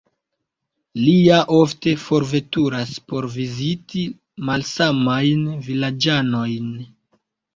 Li ja ofte forveturas por viziti malsanajn vilaĝanojn.